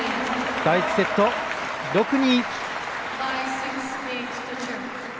第１セットは６−２。